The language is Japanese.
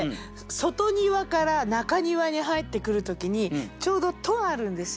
外庭から中庭に入ってくる時にちょうど戸あるんですよ。